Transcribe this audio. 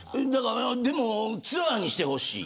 でもツアーにしてほしい。